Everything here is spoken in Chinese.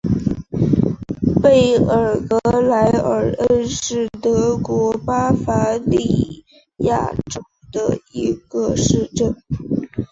贝尔格莱尔恩是德国巴伐利亚州的一个市镇。